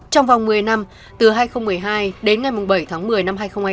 trong vòng một mươi năm từ hai nghìn một mươi hai đến ngày bảy tháng một mươi năm hai nghìn hai mươi